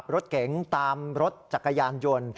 รถเก๋งตามรถจักรยานยนต์